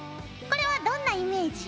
これはどんなイメージ？